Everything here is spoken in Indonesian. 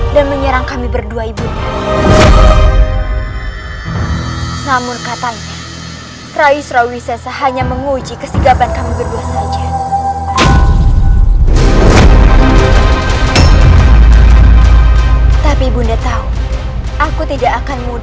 berani sekali mereka mengeluk elukku